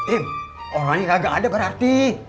eh orangnya kagak ada berarti